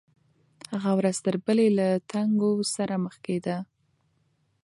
هغه ورځ تر بلې له تنګو سره مخ کېده.